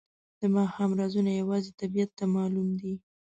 د ماښام رازونه یوازې طبیعت ته معلوم دي.